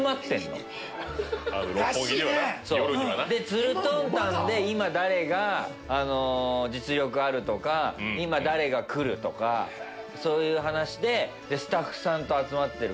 つるとんたんで今誰が実力あるとか今誰が来るとかそういう話でスタッフさんと集まってるから。